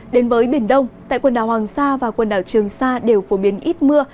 đến với biển đông tại quần đảo hoàng sa và quần đảo trường sa đều phổ biến ít mưa